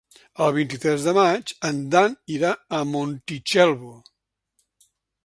El vint-i-tres de maig en Dan irà a Montitxelvo.